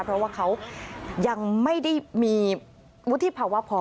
เพราะว่าเขายังไม่ได้มีวุฒิภาวะพอ